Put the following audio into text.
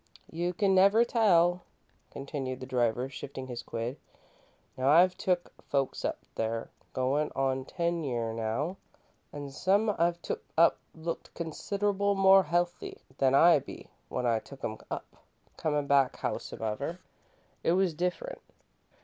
"You can't never tell," continued the driver, shifting his quid. "Now, I've took folks up there goin' on ten year now, an' some I've took up looked considerable more healthy than I be when I took 'em up. Comin' back, howsumever, it was different.